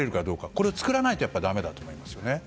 これを作らないとだめだと思いますね。